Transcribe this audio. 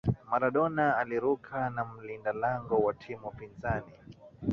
Maradona aliruka na mlinda lango wa timu pinzani